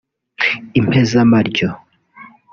impezamaryo